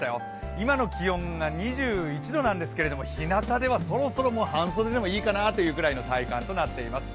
今の気温が２１度なんですけど、ひなたではそろそろもう、半袖でもいいかなという体感になっています。